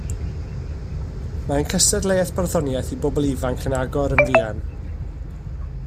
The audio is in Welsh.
Mae ein cystadleuaeth barddoniaeth i bobl ifanc yn agor yn fuan